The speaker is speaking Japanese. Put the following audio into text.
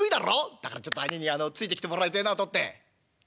だからちょっと兄ぃについてきてもらいてえなと思って」。